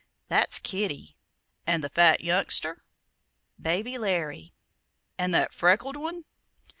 "That's Kitty." "And the fat youngster?" "Baby Larry." "And that freckled one?"